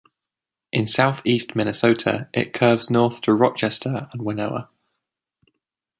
In southeast Minnesota, it curves north to Rochester and Winona.